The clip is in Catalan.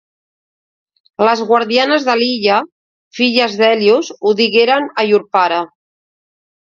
Les guardianes de l'illa, filles d'Hèlios, ho digueren a llur pare.